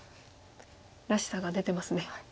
らしさが出てますね。